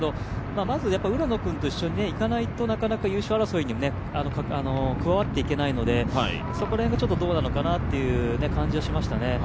まず浦野君と一緒にいかないと、なかなか優勝争いに加わっていけないので、そこら辺がちょっとどうなのかなという感じはしましたね。